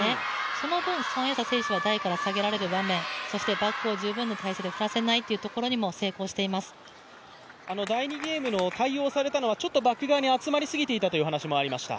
その分、孫エイ莎選手は台から下げられる分、バックを十分に振らせないということにも第２ゲームの対応されたのはちょっとバック側に集まりすぎていたという話もありました。